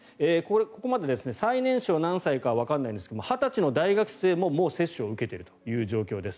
ここまで、最年少が何歳かはわからないんですが２０歳の大学生ももう接種を受けているという状況です。